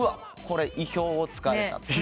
これ意表を突かれたと。